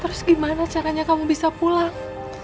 terus gimana caranya kamu bisa pulang